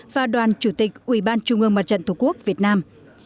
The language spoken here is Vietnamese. và đoàn chủ tịch ủy ban trung ương mặt trận tổ quốc việt nam